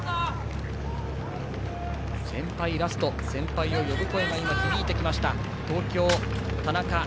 先輩、ラスト！と先輩を呼ぶ声が響いてきました東京、田中。